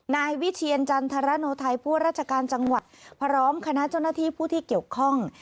นายวิเทียนจันทรโนไทยผู้ราชการจังหวัดพร้อมคณะเจ้าหน้าที่ผู้ที่เกี่ยวข้อง